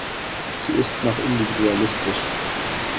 Sie ist noch individualistisch.